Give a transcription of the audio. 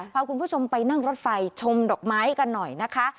พาคุณผู้ชมไปนั่งรถไฟชมดอกไม้กันหน่อยนะคะ